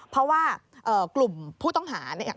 เพราะว่ากลุ่มผู้ต้องหาเนี่ย